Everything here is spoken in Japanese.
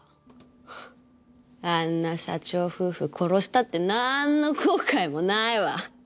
あんな社長夫婦殺したってなーんの後悔もないわ。